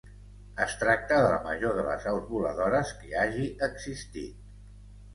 Es tracta de la major de les aus voladores que hagi existit.